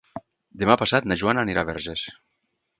Demà passat na Joana anirà a Verges.